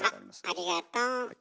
ありがとう。